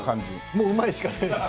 もううまいしかないです。